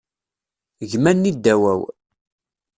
Gma-nni ddaw-aw.